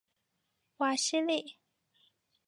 瓦西利。